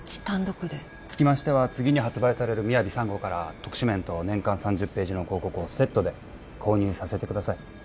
単独でつきましては次に発売されるＭＩＹＡＶＩ３号から特殊面と年間３０ページの広告をセットで購入させてください